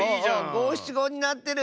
ごしちごになってる！